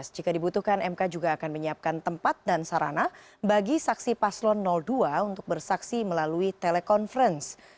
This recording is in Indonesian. jika dibutuhkan mk juga akan menyiapkan tempat dan sarana bagi saksi paslon dua untuk bersaksi melalui telekonferensi